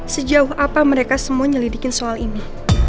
sejauh apa mereka semua nyelidikin soal ini